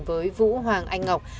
với vũ hoàng anh ngọc